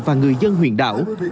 và người dân huyện đảo